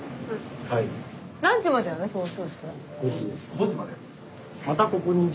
５時まで。